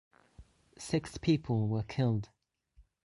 Six people were killed.